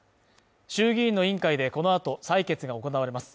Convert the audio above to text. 衆議院の委員会でこの後、採決が行われます。